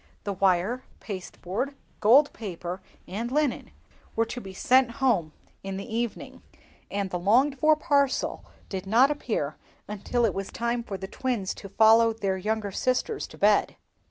The wire, pasteboard, gold paper, and linen were to be sent home in the evening, and the longed for parcel did not appear until it was time for the twins to follow their younger sisters to bed.